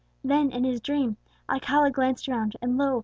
Then, in his dream, Alcala glanced around, and, lo!